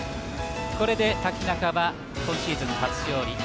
これで瀧中は今シーズン初勝利。